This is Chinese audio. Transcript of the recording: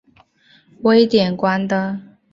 徽典馆的。